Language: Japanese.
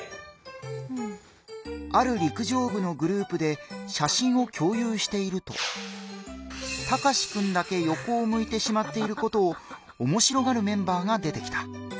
ある陸上部のグループで写真を共有しているとタカシくんだけよこを向いてしまっていることをおもしろがるメンバーが出てきた。